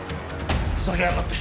ふざけやがって。